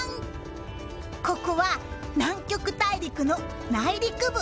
ここは南極大陸の内陸部。